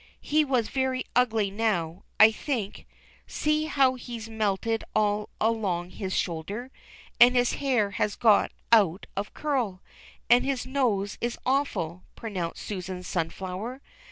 "He's very ugly now, I think — see how he's melted all along his shoulder, and his hair has got out of curl, and his nose is awful," pronounced Susan Sunflower.